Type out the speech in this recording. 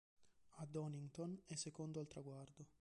A Donington è secondo al traguardo.